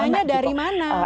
dananya dari mana